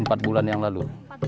empat bulan yang lalu